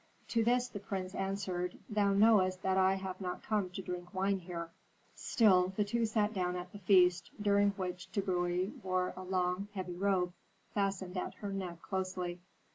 To this the prince answered, 'Thou knowest that I have not come to drink wine here.' Still the two sat down at the feast, during which Tbubui wore a long, heavy robe fastened at her neck closely.